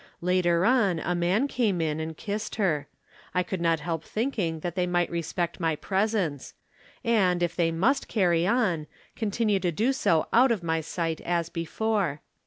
Later on a man came in and kissed her. I could not help thinking that they might respect my presence; and, if they must carry on, continue to do so out of my sight as before.